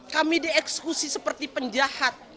kami dieksekusi seperti penjahat